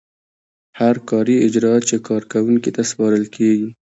هر کاري اجراات چې کارکوونکي ته سپارل کیږي.